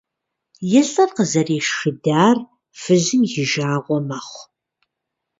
И лӏыр къызэрешхыдар фызым и жагъуэ мэхъу.